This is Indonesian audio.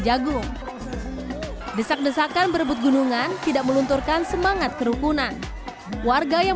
jagung desak desakan berebut gunungan tidak melunturkan semangat kerukunan warga yang